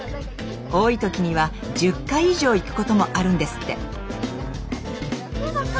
多い時には１０回以上行くこともあるんですって。